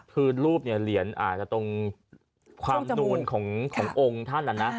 คือรูปเนี่ยเหรียญอาจจะตรงความนูนขององค์ท่านนะนะ